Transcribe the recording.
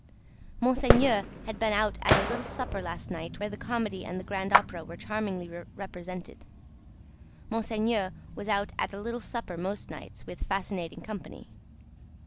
Monseigneur had been out at a little supper last night, where the Comedy and the Grand Opera were charmingly represented. Monseigneur was out at a little supper most nights, with fascinating company.